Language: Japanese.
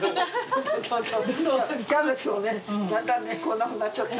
キャベツをだんだんねこんなふうになっちゃった。